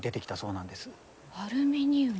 アルミニウム？